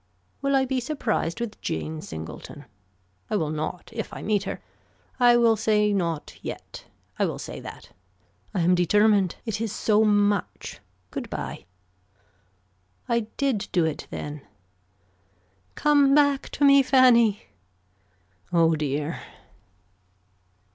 Will I be surprised with Jane Singleton. I will not if I meet her. I will say not yet. I will say that. I am determined. It is so much. Good bye. I did do it then. Come back to me Fanny. Oh dear.